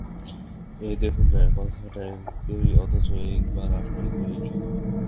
ঐ দেখুন-না, কথাটা একই, অথচ এইবার আপনি একেবারেই চুপ।